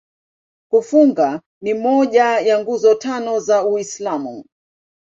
Kufunga ni moja ya Nguzo Tano za Uislamu.